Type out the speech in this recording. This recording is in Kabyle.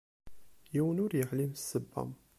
Yiwen ur yeεlim s ssebba.